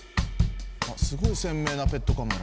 ・すごい鮮明なペットカメラ。